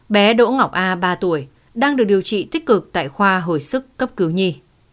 bé đỗ ngọc a ba tuổi đang được điều trị tích cực tại khoa hồi sức cấp cứu nhi